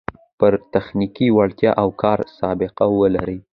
پوره تخنیکي وړتیا او کاري سابقه و لري